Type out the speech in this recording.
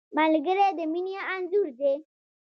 ملګری د مینې انځور دی